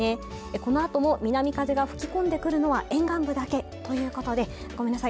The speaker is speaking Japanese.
このあとも南風が吹き込んでくるのは沿岸部だけということでごめんなさい